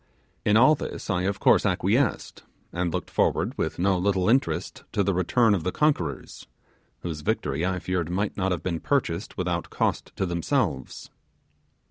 In all this I of course acquiesced, and looked forward with no little interest to the return of the conquerors, whose victory I feared might not have been purchased without cost to themselves.